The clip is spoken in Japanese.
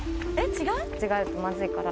違うとまずいから。